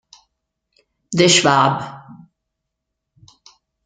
De Schwab.